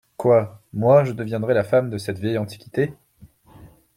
Quoi ! moi, je deviendrais la femme De cette vieille antiquité !